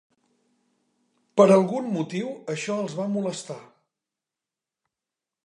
Per algun motiu, això els va molestar.